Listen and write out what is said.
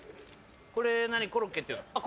これ何コロッケっていうの？